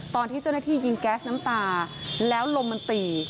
ตอนที่เจ้าหน้าที่ยิงแก๊สน้ำตาแล้วลมมันตี